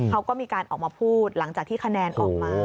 เขาก็มีการออกมาพูดหลังจากที่คะแนนออกมา